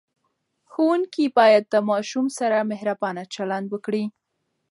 ښوونکي باید د ماشوم سره مهربانه چلند وکړي.